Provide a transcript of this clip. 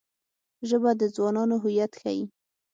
ژبه د ځوانانو هویت ښيي